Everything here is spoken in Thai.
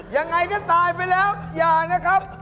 ยังไงก็ตายไปแล้วอย่านะครับ